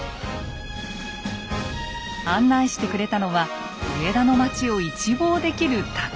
案内してくれたのは上田の町を一望できる高台。